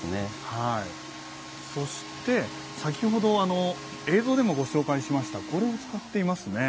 はいそして先ほど映像でもご紹介しましたこれを使っていますね。